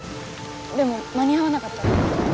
でも間に合わなかったら。